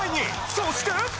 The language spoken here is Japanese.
そして！